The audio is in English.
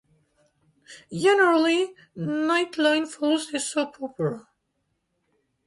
Generally, "Nightline" follows the soap opera.